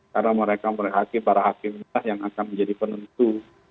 karena mereka mereka hakim para hakimnya yang akan menjadi penentu